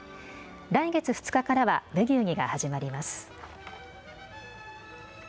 来月２日からはブギウギが始まります。